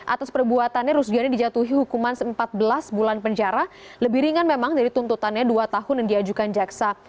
atas perbuatannya rusgiono dijatuhi hukuman empat belas bulan penjara lebih ringan memang dari tuntutannya dua tahun yang diajukan jaksa